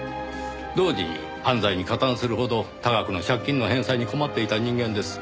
同時に犯罪に加担するほど多額の借金の返済に困っていた人間です。